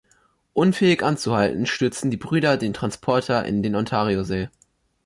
Unfähig anzuhalten, stürzen die Brüder den Transporter in den Ontariosee.